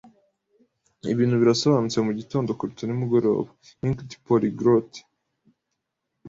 Ibintu birasobanutse mugitondo kuruta nimugoroba. (inkedpolyglot)